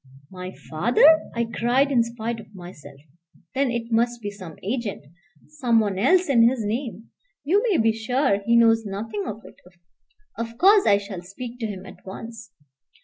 "My father!" I cried in spite of myself; "then it must be some agent, some one else in his name. You may be sure he knows nothing of it. Of course I shall speak to him at once."